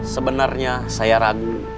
sebenarnya saya ragu